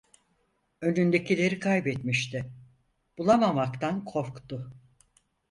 Önündekileri kaybetmişti, bulamamaktan korktu.